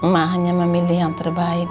mah hanya memilih yang terbaik